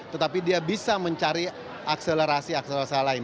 tetapi dia bisa mencari akselerasi akselerasi lain